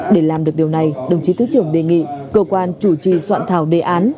để làm được điều này đồng chí thứ trưởng đề nghị cơ quan chủ trì soạn thảo đề án